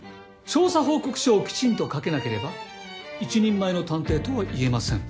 調査報告書をきちんと書けなければ一人前の探偵とは言えません。